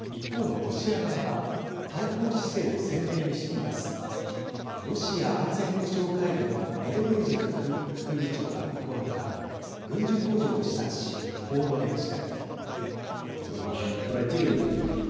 ロシア安全保障会議のメドベージェフ副議長は９日軍需工場を視察しこう述べました。